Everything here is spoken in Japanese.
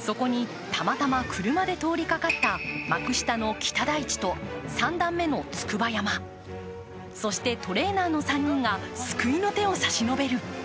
そこにたまたま車で通りかかった幕下の北大地と三段目の筑波山、そして、トレーナーの３人が救いの手を差し伸べる。